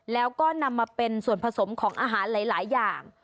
แล้วก็นำมาเป็นส่วนผสมของอาหารหลายอย่าง